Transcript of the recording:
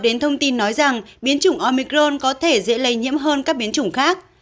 đến thông tin nói rằng biến chủng omicron có thể dễ lây nhiễm hơn các biến chủng khác